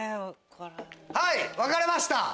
はい分かれました。